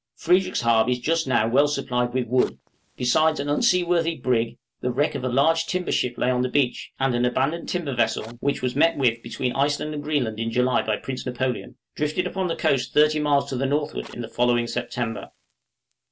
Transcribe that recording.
Frederickshaab is just now well supplied with wood: besides an unseaworthy brig, the wreck of a large timber ship lay on the beach, and an abandoned timber vessel, which was met with between Iceland and Greenland in July by Prince Napoleon, drifted upon the coast 30 miles to the northward in the following September.